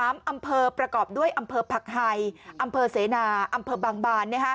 อำเภอประกอบด้วยอำเภอผักไฮอำเภอเสนาอำเภอบางบาน